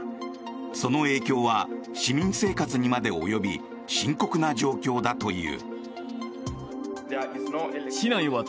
その影響は市民生活にまで及び深刻な状況だという。